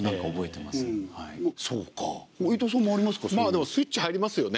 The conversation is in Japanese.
でもスイッチ入りますよね。